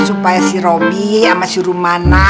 supaya si robi sama si rumana